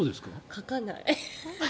かかない。